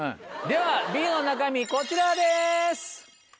ではＢの中身こちらです。